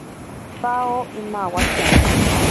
Pawo imawatya.